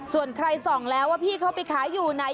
ส่วนใครส่องแล้วว่าพี่เขาไปขายอยู่ไหน